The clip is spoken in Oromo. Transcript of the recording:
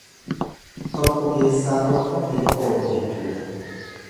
Tokko keessaa tokko hin oolu jechuudha.